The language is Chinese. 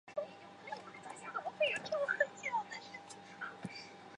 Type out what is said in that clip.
中世纪初期德语这个词首次出现。